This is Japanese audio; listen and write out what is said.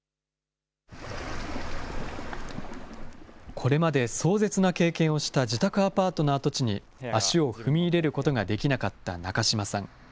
これまで壮絶な経験をした自宅アパートの跡地に足を踏み入れることができなかった中島さん。